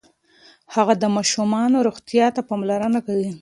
هغه د ماشومانو روغتیا ته پاملرنه کوي.